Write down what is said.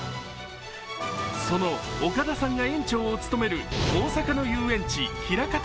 その岡田さんが園長を務める大阪の遊園地ひらかた